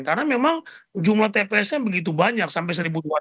karena memang jumlah tps nya begitu banyak sampai satu dua ratus